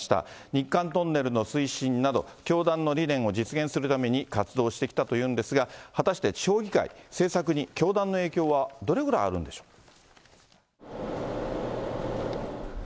日韓トンネルの推進など、教団の理念を実現するために活動してきたというんですが、果たして地方議会、政策に教団の影響はどれぐらいあるんでしょうか。